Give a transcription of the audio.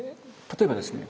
例えばですね